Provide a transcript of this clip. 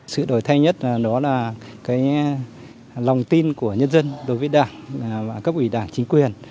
sự đổi thay nhất đó là lòng tin của nhân dân đối với đảng và cấp ủy đảng chính quyền